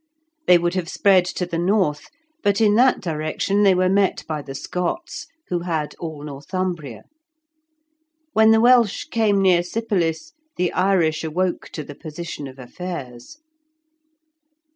They would have spread to the north, but in that direction they were met by the Scots, who had all Northumbria. When the Welsh came near Sypolis, the Irish awoke to the position of affairs.